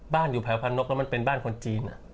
บ้านอยู่แผนกพะดกแล้วมันเป็นบ้านคนจีน